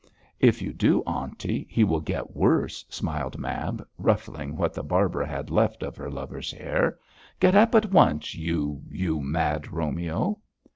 'If you do, aunty, he will get worse,' smiled Mab, ruffling what the barber had left of her lover's hair. 'Get up at once, you you mad Romeo.'